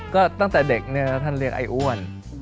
ก็ตั้งแต่เด็กเนี่ยท่านเรียกไอ้อ้วน